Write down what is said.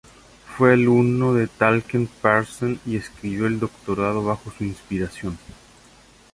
Fue alumno de Talcott Parsons y escribió el doctorado bajo su inspiración.